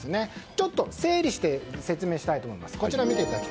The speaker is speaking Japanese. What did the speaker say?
ちょっと整理して説明したいと思います。